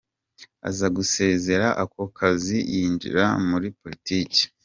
Aza gusezera ako kazi yinjira muri poritiki.